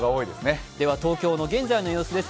東京の現在の様子です。